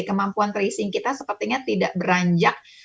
kemampuan tracing kita sepertinya tidak beranjak